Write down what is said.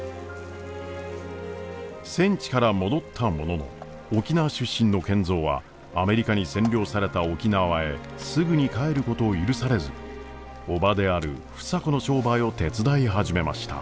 戦地から戻ったものの沖縄出身の賢三はアメリカに占領された沖縄へすぐに帰ることを許されず叔母である房子の商売を手伝い始めました。